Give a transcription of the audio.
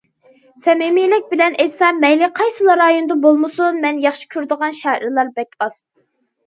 سەمىمىيلىك بىلەن ئېيتسام، مەيلى قايسىلا رايوندا بولمىسۇن مەن ياخشى كۆرىدىغان شائىرلار بەك ئاز.